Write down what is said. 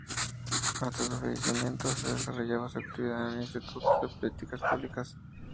Hasta su fallecimiento desarrollaba su actividad en el Instituto de Políticas Públicas.